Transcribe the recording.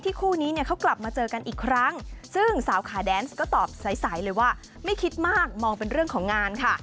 คู่นี้เนี่ยเขากลับมาเจอกันอีกครั้งซึ่งสาวขาแดนซ์ก็ตอบใสเลยว่าไม่คิดมากมองเป็นเรื่องของงานค่ะ